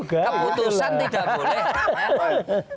keputusan tidak boleh